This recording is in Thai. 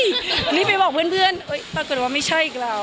อเจมส์รีบไปบอกเพื่อนตะเกิดว่าไม่ใช่อีกแล้ว